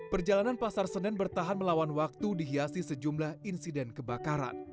perjalanan pasar senen bertahan melawan waktu dihiasi sejumlah insiden kebakaran